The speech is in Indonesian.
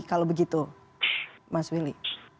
kalau begitu mas willy